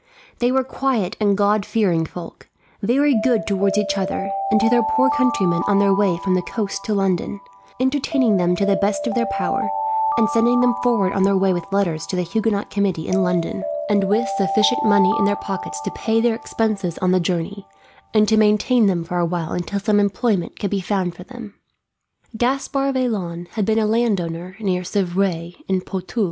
They were quiet and God fearing folk; very good towards each other, and to their poor countrymen on their way from the coast to London, entertaining them to the best of their power, and sending them forward on their way with letters to the Huguenot committee in London, and with sufficient money in their pockets to pay their expenses on the journey, and to maintain them for a while until some employment could be found for them. Gaspard Vaillant had been a landowner near Civray, in Poitou.